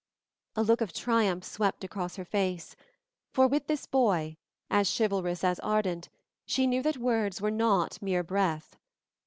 A look of triumph swept across her face, for with this boy, as chivalrous as ardent, she knew that words were not mere breath.